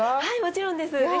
はいもちろんです。